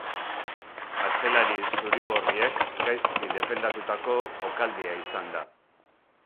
Atzelari zuri-gorriek gaizki defendatutako jokaldia izan da.